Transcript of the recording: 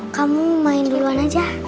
kamu main duluan aja